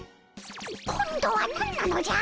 今度は何なのじゃ！